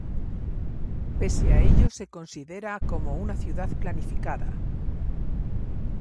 Pese a ello se considera como una ciudad planificada.